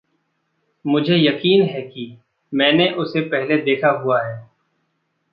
मुझे यकीन है कि मैंने उसे पहले देखा हुआ है।